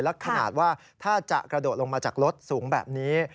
และขนาดว่าถ้าจะกระโดดลงมาจากรถสูงแบบนี้